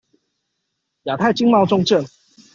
亞太經貿重鎮